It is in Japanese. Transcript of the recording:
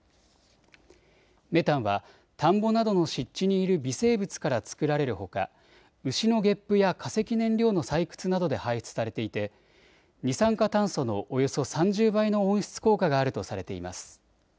メタンは田んぼなどの湿地にいる微生物から作られるほか牛のゲップや化石燃料の採掘などで排出されていて二酸化炭素のおよそ３０倍の温室効果があるとされています。